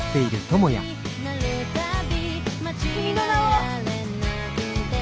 君の名は！